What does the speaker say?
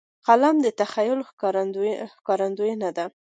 قلم د تخیل ښکارندوی دی